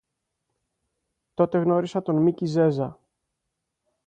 Τότε γνώρισα τον Μίκη Ζέζα